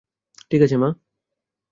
ঠিক আছে, মা!